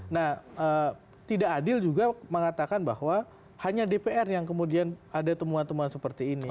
nah tidak adil juga mengatakan bahwa hanya dpr yang kemudian ada temuan temuan seperti ini